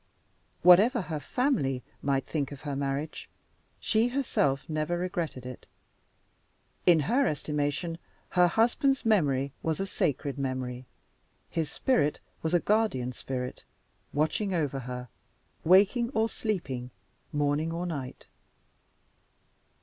Whatever her family might think of her marriage, she herself never regretted it. In her estimation her husband's memory was a sacred memory; his spirit was a guardian spirit, watching over her, waking or sleeping, morning or night.